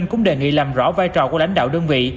cũng đề nghị làm rõ vai trò của lãnh đạo đơn vị